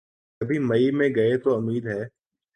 کبھی مئی میں گئے تو امید ہے۔